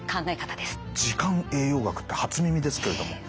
時間栄養学って初耳ですけれども。